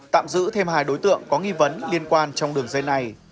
tạm giữ thêm hai đối tượng có nghi vấn liên quan trong đường dây này